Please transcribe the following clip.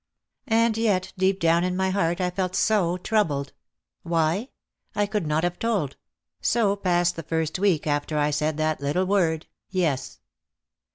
And yet deep down in my heart I felt so troubled. Why? I could not have told. So passed the first week after I had said that little word, "Yes."